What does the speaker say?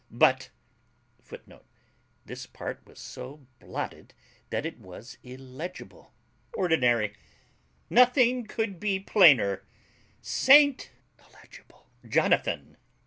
But [Footnote: This part was so blotted that it was illegible.] ....... ORDINARY. Nothing can be plainer. St. .......... Jonathan.